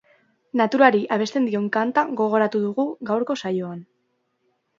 Naturari abesten dion kanta gogoratu dugu gaurko saioan.